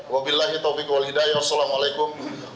wabilahi taufiq wal hidayah assalamualaikum